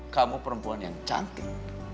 kamu perempuan yang cantik